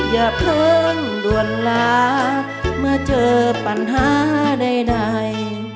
อย่าเพิ่งด่วนลาเมื่อเจอปัญหาใด